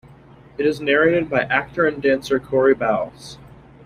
It is narrated by actor and dancer Cory Bowles.